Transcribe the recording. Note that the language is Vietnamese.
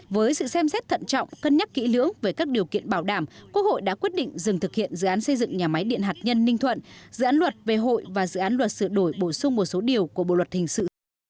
với sự xem xét thận trọng cân nhắc kỹ lưỡng về các điều kiện bảo đảm quốc hội đã quyết định dừng thực hiện dự án xây dựng nhà máy điện hạt nhân ninh thuận dự án luật về hội và dự án luật sửa đổi bổ sung một số điều của bộ luật hình sự